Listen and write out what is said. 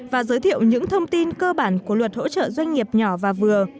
và giới thiệu những thông tin cơ bản của luật hỗ trợ doanh nghiệp nhỏ và vừa